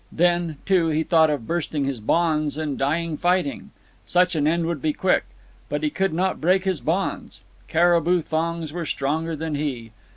Then, too, he thought of bursting his bonds and dying fighting. Such an end would be quick. But he could not break his bonds. Caribou thongs were stronger than he.